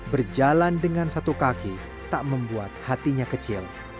berjalan dengan satu kaki tak membuat hatinya kecil